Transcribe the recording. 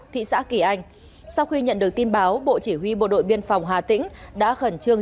thị xã kỳ anh sau khi nhận được tin báo bộ chỉ huy bộ đội biên phòng hà tĩnh đã khẩn trương